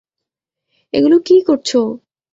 এগুলো কী করছো?